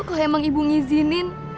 kalau emang ibu ngizinin